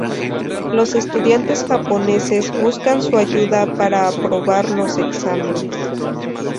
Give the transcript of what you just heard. Los estudiantes japoneses buscan su ayuda para aprobar los exámenes.